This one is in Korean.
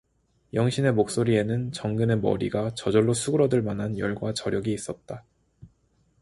영신의 목소리에는 정근의 머리가 저절로 수그러들 만한 열과 저력이 있었다.